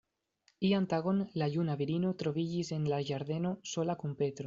Ian tagon, la juna virino troviĝis en la ĝardeno, sola kun Petro.